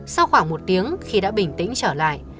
sau khoảng một tiếng khi đã bình tĩnh trở lại